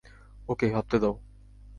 ওকে, ভাবতে দাও।